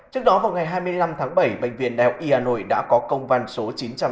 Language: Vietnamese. trước đó vào ngày hai mươi năm tháng bảy bệnh viện đại học y hà nội đã có công văn số chín trăm tám mươi